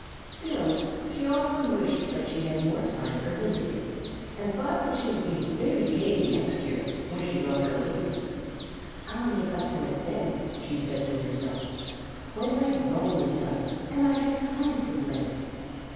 Still, she often wished that she had more time for visiting, and thought that she would be very gay next year, when she got her wings. "I'll make up for it then," she said to herself, "when my growing is done and I have time for play."